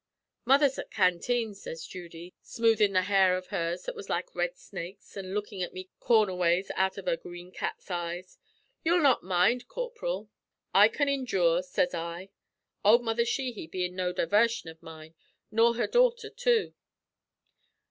"'Mother's at canteen,' sez Judy, smoothin' the hair av hers that was like red snakes, an' lookin' at me corner ways out av her green cat's eyes. 'Ye will not mind, corp'ril?' "'I can endure,' sez I. 'Ould Mother Sheehy bein' no divarsion av mine, nor her daughter too.'